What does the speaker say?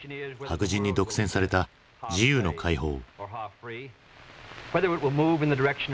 白人に独占された自由の解放。